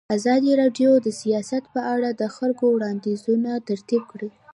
ازادي راډیو د سیاست په اړه د خلکو وړاندیزونه ترتیب کړي.